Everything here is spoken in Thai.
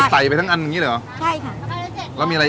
ซาดผัดชี